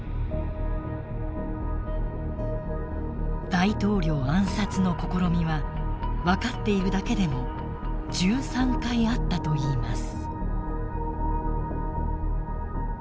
大統領暗殺の試みは分かっているだけでも１３回あったといいます。